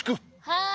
はい。